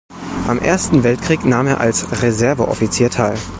Am Ersten Weltkrieg nahm er als Reserveoffizier teil.